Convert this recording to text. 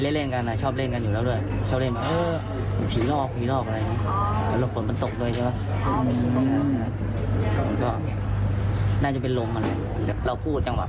แล้วมันก็เลยปิดให้มันก็บังเอิญไง